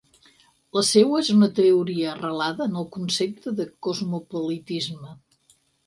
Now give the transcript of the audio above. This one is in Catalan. La seua és una teoria arrelada en el concepte de cosmopolitisme.